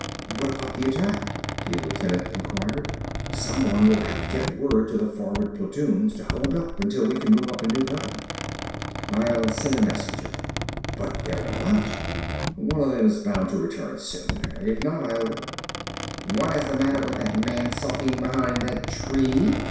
"What about the attack?" the lieutenant inquired. "Someone will have to get word to the forward platoons to hold up until we can move up a new gun." "I'll send a messenger." "But they're all out." "One of them is bound to return soon. If not, I'll " "What is the matter with that man sulking behind that tree?"